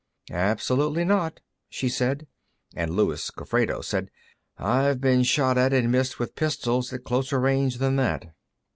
"Absolutely not," she said, and Luis Gofredo said: "I've been shot at and missed with pistols at closer range than that."